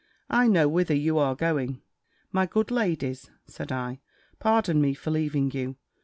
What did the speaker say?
I know whither you are going." "My good ladies," said I, "pardon me for leaving you.